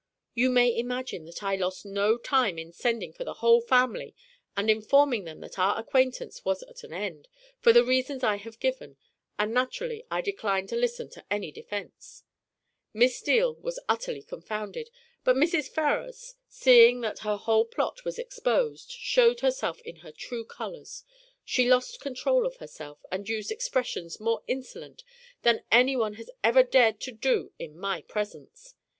You may imagine that I lost no time in sending for the whole family and informing them that our acquaintance was at an end, for the reasons I have given, and naturally I declined to listen to any defence; Miss Steele was utterly confounded, but Mrs. Ferrars, seeing that her whole plot was exposed, showed herself in her true colours; she lost control of herself, and used expressions more insolent than anyone has ever dared to do in my presence.